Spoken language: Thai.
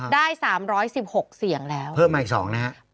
ได้๓๑๖เสียงแล้วเพิ่มมาอีก๒นะฮะ